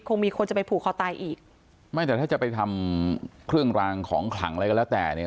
คงมีคนจะไปผูกคอตายอีกไม่แต่ถ้าจะไปทำเครื่องรางของขลังอะไรก็แล้วแต่เนี่ย